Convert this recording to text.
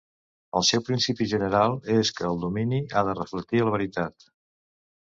El seu principi general és que el domini ha de reflectir la veritat.